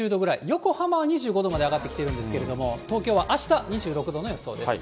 横浜は２５度まで上がってきてるんですけれども、東京はあした２６度の予想です。